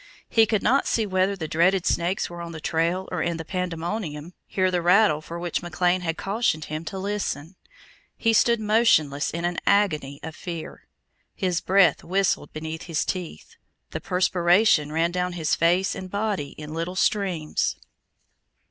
He could not see whether the dreaded snakes were on the trail, or, in the pandemonium, hear the rattle for which McLean had cautioned him to listen. He stood motionless in an agony of fear. His breath whistled between his teeth. The perspiration ran down his face and body in little streams.